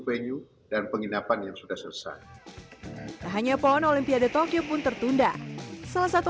venue dan penginapan yang sudah selesai tak hanya pohon olimpiade tokyo pun tertunda salah satu